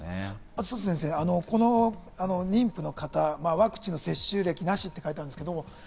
佐藤先生、この妊婦の方、ワクチンの接種歴なしと書いてあります。